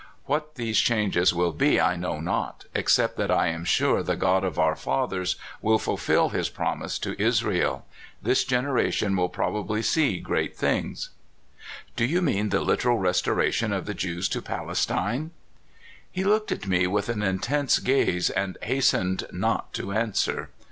What these changes will be I know not, except that I am sure the God of our fathers will fulfill his promise to Israel. This generation w r ill probably see great things." " Do you mean the literal restoration of the Jews to Palestine ?" He looked at me with an intense gaze, and has tened not to answer.